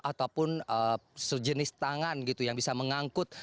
ataupun sejenis tangan gitu yang bisa mengangkut